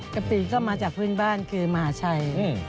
กะปิก็มาจากพื้นบ้านคือมหาชัย